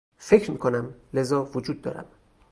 فکر میکنم، لذا وجود دارم.